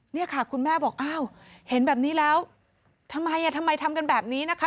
เนี่ยค่ะคุณแม่บอกอ้าวเห็นแบบนี้แล้วทำไมทำไมทำกันแบบนี้นะคะ